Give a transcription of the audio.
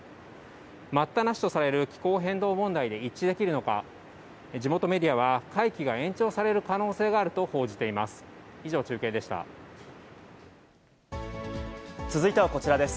待ったなしとされる気候変動問題で一致できるのか、地元メディアは、会期が延長される可能性があると報じています。